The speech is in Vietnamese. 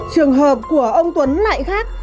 trường hợp của ông tuấn lại khác